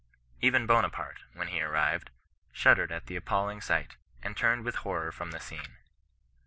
Even Bonaparte, when he arrived, shuddered at the appalling sight, and turned with horror from the scene.